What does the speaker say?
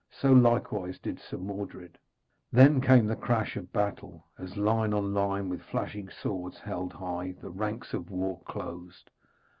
So likewise did Sir Mordred. Then came the crash of battle, as line on line, with flashing swords held high, the ranks of war closed.